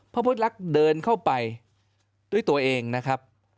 พระพุทธลักษณ์เดินเข้าไปด้วยตัวเองนะครับ